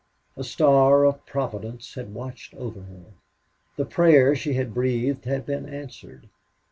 A star of Providence had watched over her. The prayer she had breathed had been answered.